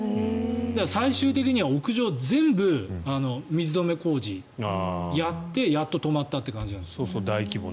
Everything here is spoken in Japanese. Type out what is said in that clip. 最終的には屋上を全部水止め工事をやってやっと止まったという感じなんです。